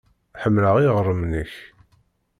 Ḥemmleɣ iɣrem-nnek.